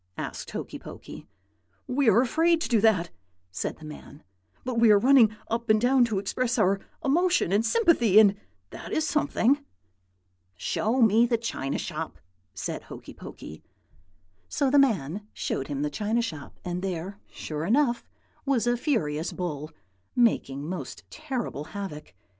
asked Hokey Pokey. "'We are afraid to do that,' said the man; 'but we are running up and down to express our emotion and sympathy, and that is something.' "'Show me the china shop,' said Hokey Pokey. "So the man showed him the china shop; and there, sure enough, was a furious bull, making most terrible havoc.